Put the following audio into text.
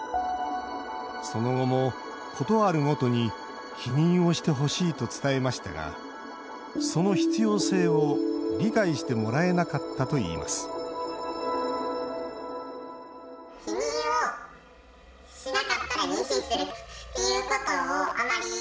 その後も、ことあるごとに避妊をしてほしいと伝えましたがその必要性を理解してもらえなかったといいますそして１年後、妊娠が発覚。